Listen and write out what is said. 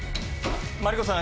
マリコさん